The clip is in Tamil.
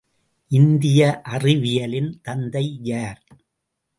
இந்திய அறிவியலின் தந்தை யார்?